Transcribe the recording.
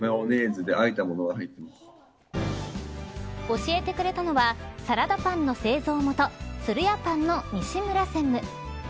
教えてくれたのはサラダパンの製造元つるやパンの西村専務。